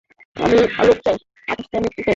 আমি আলোক চাই, আকাশ চাই, মুক্তি চাই।